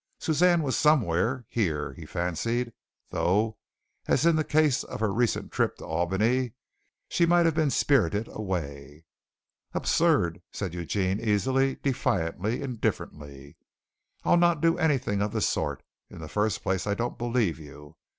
Suzanne was somewhere, here, he fancied, though, as in the case of her recent trip to Albany, she might have been spirited away. "Absurd!" said Eugene easily, defiantly, indifferently. "I'll not do anything of the sort. In the first place, I don't believe you.